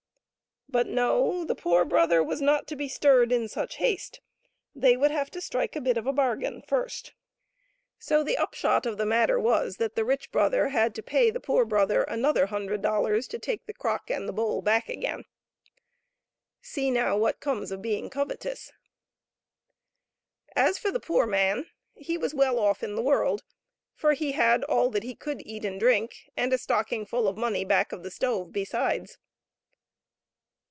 But, no ; the poor brother was not to be stirred in such haste ; they would have to strike a bit of a bargain first. So the upshot of the matter man'ptMckanttbotoltott^footianbiirfnlw 128 HOW THE GOOD GIFTS WERE USED BY TWO. was that the rich brother had to pay the poor brother another hundred dollars to take the crock and the bowl back again. See, now, what comes of being covetous ! As for the poor man, he was well off in the world, for he had all that he could eat and drink, and a stockingful of money back of the stove besides.